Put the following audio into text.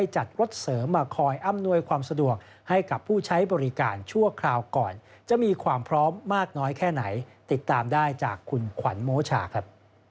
จากคุณขวัญโมชาครับ